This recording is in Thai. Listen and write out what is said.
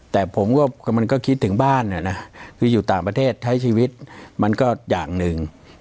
แต่ผมก็มันก็คิดถึงบ้านคืออยู่ต่างประเทศใช้ชีวิตมันก็อย่างหนึ่ง